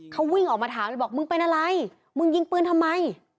เขาวิ่งออกมาถามเลยบอกมึงเป็นอะไรมึงยิงปืนทำไม